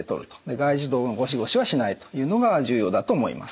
外耳道のゴシゴシはしないというのが重要だと思います。